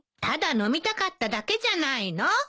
ただ飲みたかっただけじゃないの？